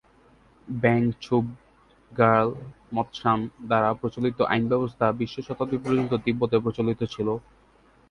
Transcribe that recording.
ব্যাং-ছুব-র্গ্যাল-ম্ত্শান দ্বারা প্রচলিত আইন ব্যবস্থা বিংশ শতাব্দী পর্যন্ত তিব্বতে প্রচলিত ছিল।